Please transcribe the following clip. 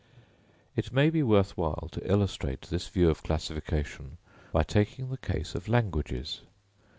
It may be worth while to illustrate this view of classification, by taking the case of languages.